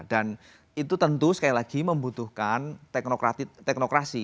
dan itu tentu sekali lagi membutuhkan teknokrasi